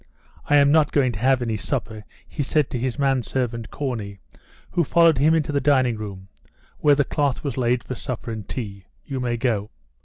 "I am not going to have any supper," he said to his manservant Corney, who followed him into the dining room, where the cloth was laid for supper and tea. "You may go."